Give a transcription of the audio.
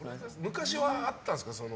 昔はあったんですか？